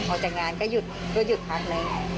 ออกจากงานก็หยุดพักหนึ่ง